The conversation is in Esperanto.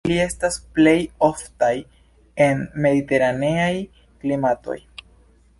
Ili estas plej oftaj en mediteraneaj klimatoj.